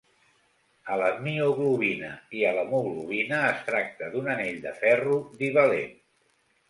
A la mioglobina i a l’hemoglobina, es tracta d’un anell de ferro divalent.